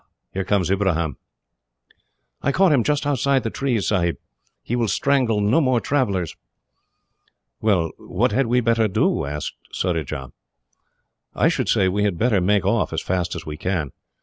here comes Ibrahim." "I caught him just outside the trees, Sahib. He will strangle no more travellers." "Well, what had we better do?" asked Surajah. "I should say we had better make off, as fast as we can.